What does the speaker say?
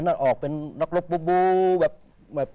อันนั้นออกเป็นหลักลบแบบกวัด